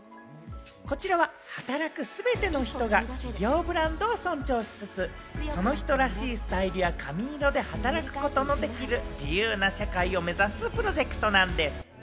こちらは働くすべての人が企業ブランドを尊重しつつ、その人らしいスタイルや髪色で働くことのできる自由な社会を目指すプロジェクトなんでぃす。